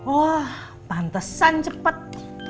oh pantesan cepet